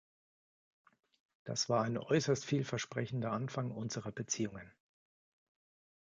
Das war ein äußerst viel versprechender Anfang unserer Beziehungen.